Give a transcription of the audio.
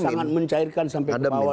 sangat mencairkan sampai ke bawah